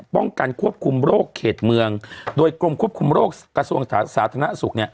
ป้องกันควบคุมโรคเขตเมืองโดยกรมควบคุมโรคกระทรวงสาธารณสุขเนี่ย